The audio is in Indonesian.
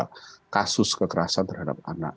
jadi itu adalah kasus kekerasan terhadap anak